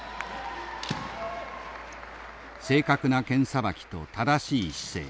正確な剣さばきと正しい姿勢。